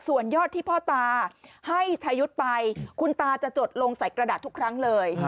ส่วนยอดที่พ่อตาให้ชายุทธ์ไปคุณตาจะจดลงใส่กระดาษทุกครั้งเลย